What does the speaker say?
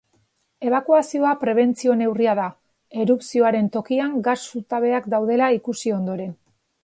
Ebakuazioa prebentzio-neurria da, erupzioaren tokian gas zutabeak daudela ikusi ondoren.